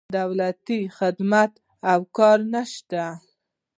دولتي خدمات او کار نه شته.